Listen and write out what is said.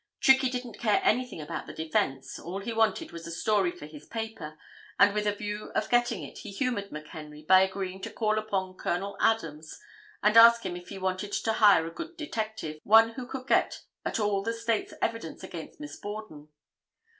Trickey didn't care anything about the defense, all he wanted was a story for his paper and with a view of getting it he humored McHenry by agreeing to call upon Col. Adams and ask him if he wanted to hire a good detective, one who could get at all the state's evidence against Miss Borden.